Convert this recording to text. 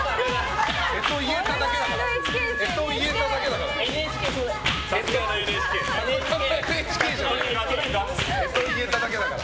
干支を言えただけだから。